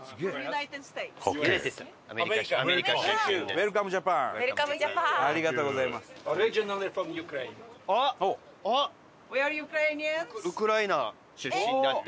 ウエンツ：ウクライナ出身だって。